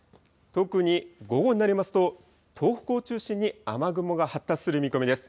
特に午後になりますと、東北を中心に雨雲が発達する見込みです。